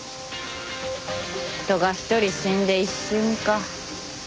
人が一人死んで一瞬か。